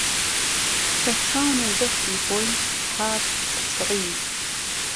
سهر شان و دهستی خۆی پاک پچڕی